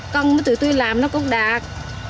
công tự tuy làm nó cũng đạt